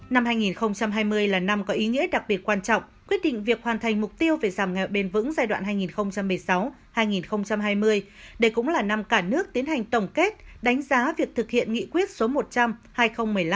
năm hai nghìn hai mươi là năm có ý nghĩa đặc biệt quan trọng quyết định việc hoàn thành mục tiêu về giảm nghèo bền vững giai đoạn hai nghìn một mươi sáu hai nghìn hai mươi đây cũng là năm cả nước tiến hành tổng kết đánh giá việc thực hiện nghị quyết số một trăm linh hai nghìn một mươi năm